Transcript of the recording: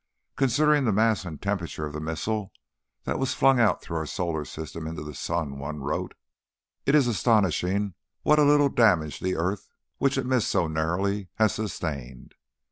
"Considering the mass and temperature of the missile that was flung through our solar system into the sun," one wrote, "it is astonishing what a little damage the earth, which it missed so narrowly, has sustained.